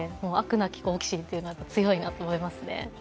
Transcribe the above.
なき好奇心というのが強いなと思いますね。